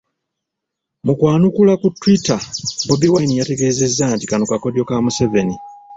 Mu kwanukula ku Twitter, Bobi Wine yategeezezza nti kano kakodyo ka Museveni